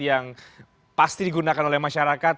yang pasti digunakan oleh masyarakat